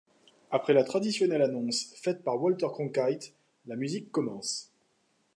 Après la traditionnelle annonce, faite par Walter Cronkite, la musique commence.